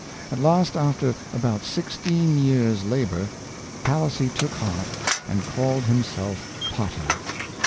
At last, after about sixteen years labor, Palissy took heart, and called himself Potter.